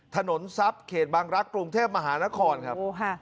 ถนนทรัพย์เขตบางรักษ์กรุงเทพมหานครครับ